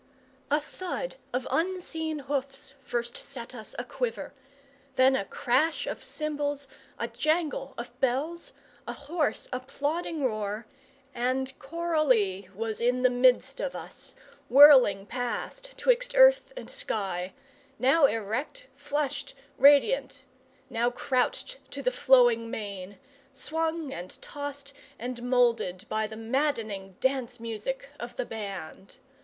A thud of unseen hoofs first set us aquiver; then a crash of cymbals, a jangle of bells, a hoarse applauding roar, and Coralie was in the midst of us, whirling past 'twixt earth and sky, now erect, flushed, radiant, now crouched to the flowing mane; swung and tossed and moulded by the maddening dance music of the band.